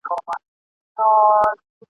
له لنډیو کفنونه محتسب لره ګنډمه !.